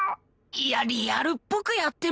いやリアルっぽくやってもさあ